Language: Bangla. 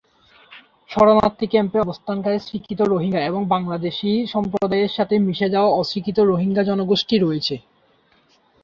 শরণার্থী ক্যাম্পে অবস্থানকারী স্বীকৃত রোহিঙ্গা এবং বাংলাদেশী সম্প্রদায়ের সাথে মিশে যাওয়া অস্বীকৃত রোহিঙ্গা জনগোষ্ঠী রয়েছে।